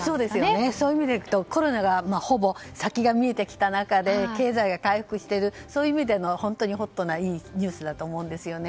そういう意味で、コロナがほぼ先が見えてきた中で経済が回復しているそういう意味でもホットないいニュースだと思うんです。